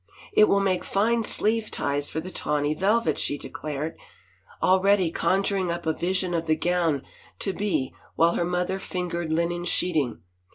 " It will make fine sleeve ties for the tawny velvet," she declared, already conjuring up a vision of the gown to be while her mother fingered linen sheeting.